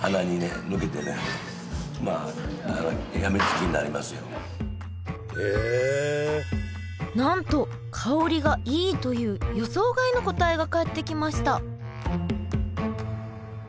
気になるなんと香りがいいという予想外の答えが返ってきました